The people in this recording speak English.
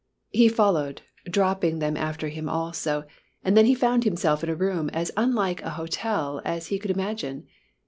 He followed, dropping them after him also, and then he found himself in a room as unlike a hotel as he could imagine.